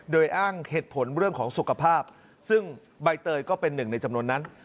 โดยอ้างเหตุผลเรื่องของสุขภาพซึ่งใบเตยก็เป็นหนึ่งในจำนวนนั้น